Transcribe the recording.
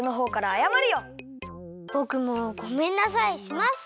ぼくも「ごめんなさい」します！